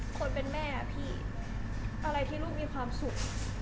คนเป็นแม่พี่อะไรที่ลูกมีความสุข